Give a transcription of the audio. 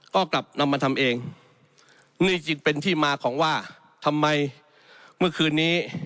ก็กลับนำมาทำเองนี่จึงเป็นที่มาของว่าทำไมเมื่อคืนนี้